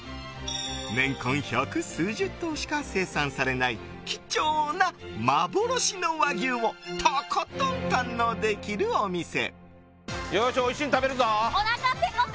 年間百数十頭しか生産されない貴重な幻の和牛をとことん堪能できるお店。